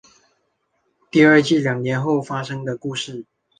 第二季两年后发生的故事。